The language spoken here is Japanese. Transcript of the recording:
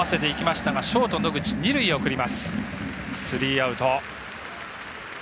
スリーアウト。